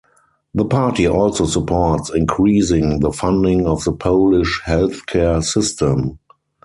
The party also supports increasing the funding of the Polish healthcare system.